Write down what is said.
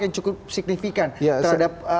yang cukup signifikan terhadap